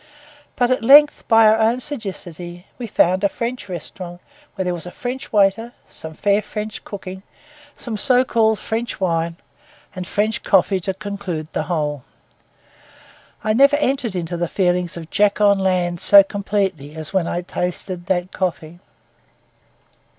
But at length, by our own sagacity, we found a French restaurant, where there was a French waiter, some fair French cooking, some so called French wine, and French coffee to conclude the whole. I never entered into the feelings of Jack on land so completely as when I tasted that coffee.